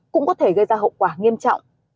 cũng có thể gây ra hậu quả nghiêm trọng